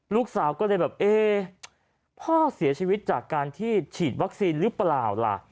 ลูกสาวก็เลยแบบเอ๊พ่อเสียชีวิตจากการที่ฉีดวัคซีนหรือเปล่าล่ะ